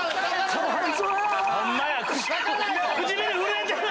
唇震えてる！